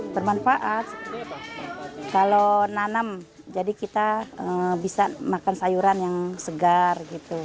bermanfaat kalau nanam jadi kita bisa makan sayuran yang segar gitu